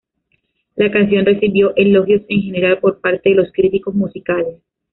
La canción recibió elogios en general por parte de los críticos musicales.